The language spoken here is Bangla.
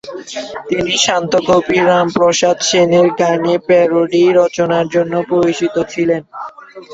তিনি শাক্ত কবি রামপ্রসাদ সেনের গানের প্যারোডি রচনার জন্য পরিচিত ছিলেন।